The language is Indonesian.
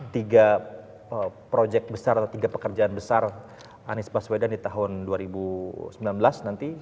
tiga proyek besar atau tiga pekerjaan besar anies baswedan di tahun dua ribu sembilan belas nanti